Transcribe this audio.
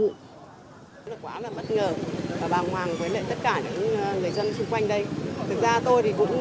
quá là bất ngờ và bàng hoàng với tất cả những người dân xung quanh đây